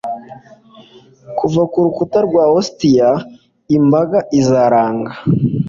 Kuva ku rukuta rwa Ostia imbaga izaranga